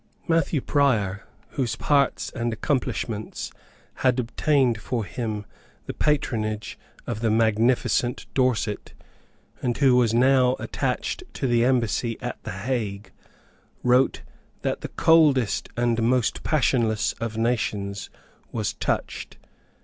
Matthew Prior, whose parts and accomplishments had obtained for him the patronage of the magnificent Dorset, and who was now attached to the Embassy at the Hague, wrote that the coldest and most passionless of nations was touched.